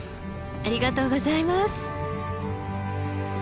ありがとうございます！